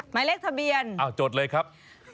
หมายเลขทะเบียนจดเลยครับ